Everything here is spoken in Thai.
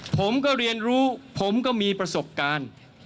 ผมก็เรียนรู้ผมก็มีประสบการณ์